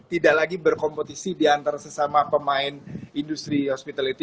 tidak lagi berkompetisi di antara sesama pemain industri hospitality